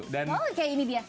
oh kayak ini dia